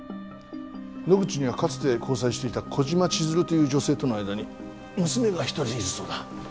野口にはかつて交際していた小島千鶴という女性との間に娘が１人いるそうだ。